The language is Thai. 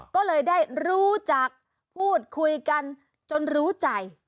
ก็เลยได้รู้จักพูดคุยกันจนรู้ใจ